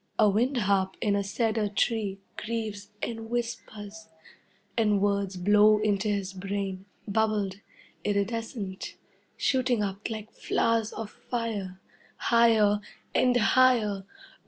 A wind harp in a cedar tree grieves and whispers, and words blow into his brain, bubbled, iridescent, shooting up like flowers of fire, higher and higher.